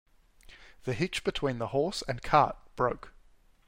The hitch between the horse and cart broke.